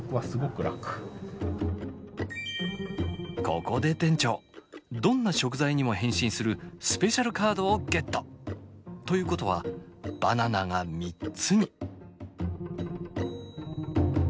ここで店長どんな食材にも変身するスペシャルカードをゲット。ということはバナナが３つに。